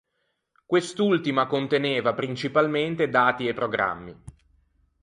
Quest'ultima conteneva, principalmente, dati e programmi.